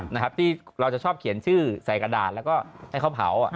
นะครับที่เราจะชอบเขียนชื่อใส่กระดาษแล้วก็ให้เขาเผา